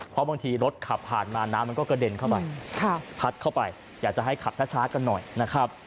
เพราะบางทีรถขับผ่านมาน้ำมันก็กระเด็นเข้าไปพัดเข้าไปอยากจะให้ขับช้ากันหน่อยนะครับ